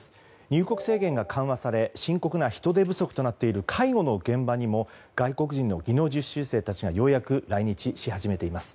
入国制限が緩和され深刻な人手不足となっている介護の現場にも外国人の技能実習生たちがようやく来日し始めています。